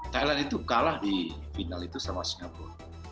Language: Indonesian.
thailand itu kalah di final itu sama singapura